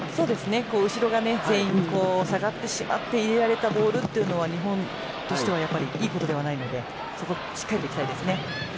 後ろが全員下がってしまって入れられたボールは日本としてはいいことではないのでそこ、しっかりといきたいですね。